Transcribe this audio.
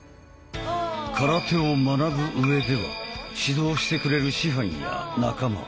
空手を学ぶ上では指導してくれる師範や仲間